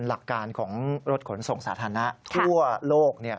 หลักการของรถขนส่งสาธารณะทั่วโลก